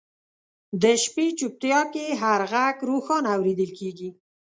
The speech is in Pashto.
د شپې چوپتیا کې هر ږغ روښانه اورېدل کېږي.